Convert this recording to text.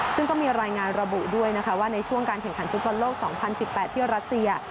ซึ่งก็มีรายงานระบุด้วยนะคะว่าในช่วงการแข่งขันฟุตบอลโลก๒๐๑๘ที่รัสเซีย